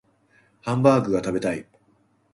ハンバーグが食べたい